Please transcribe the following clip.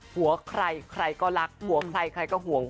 หัวใครใครก็รักผัวใครใครก็ห่วง